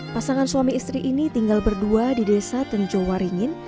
pasangan suami istri ini tinggal berdua di desa tenjowaringin